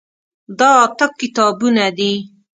دا اته کتابونه دي.